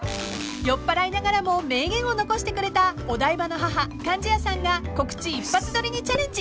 ［酔っぱらいながらも名言を残してくれたお台場の母貫地谷さんが告知一発撮りにチャレンジ］